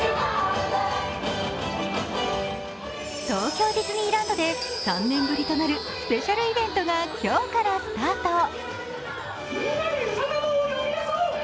東京ディスニーランドで３年ぶりとなるスペシャルイベントが今日からスタート。